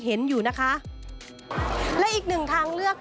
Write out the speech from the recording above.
เป็นอย่างไรนั้นติดตามจากรายงานของคุณอัญชาฬีฟรีมั่วครับ